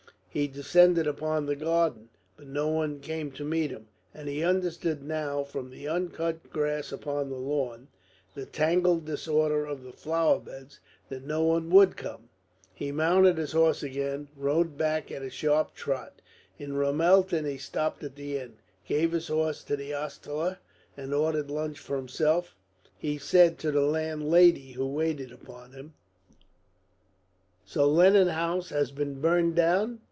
He descended into the garden, but no one came to meet him; and he understood now from the uncut grass upon the lawn, the tangled disorder of the flowerbeds, that no one would come. He mounted his horse again, and rode back at a sharp trot. In Ramelton he stopped at the inn, gave his horse to the ostler, and ordered lunch for himself. He said to the landlady who waited upon him: "So Lennon House has been burned down?